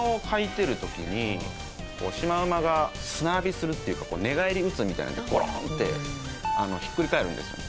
シマウマが砂浴びするっていうか寝返り打つみたいにゴロンってひっくり返るんですね。